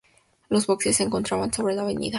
Los boxes se encontraban sobre la Av.